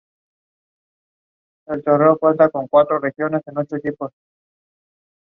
Es uno de los cuatro elementos que conforma la cultura Hip Hop.